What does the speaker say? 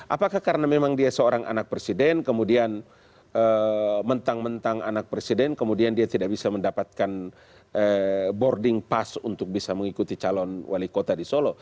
apakah karena memang dia seorang anak presiden kemudian mentang mentang anak presiden kemudian dia tidak bisa mendapatkan boarding pass untuk bisa mengikuti calon wali kota di solo